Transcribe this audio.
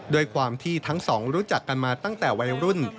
ด้วยความที่ทั้งสองรู้จักกันมาตั้งแต่วัยรุ่น